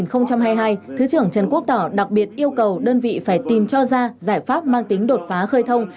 năm hai nghìn hai mươi hai thứ trưởng trần quốc tỏ đặc biệt yêu cầu đơn vị phải tìm cho ra giải pháp mang tính đột phá khơi thông